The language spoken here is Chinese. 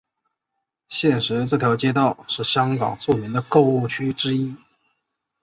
现时这条街道是香港著名的购物区之一。